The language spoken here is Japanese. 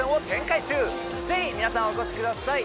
ぜひ皆さんお越しください！